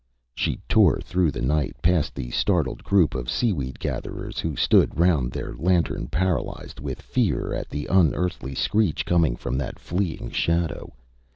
... She tore through the night, past the startled group of seaweed gatherers who stood round their lantern paralysed with fear at the unearthly screech coming from that fleeing shadow.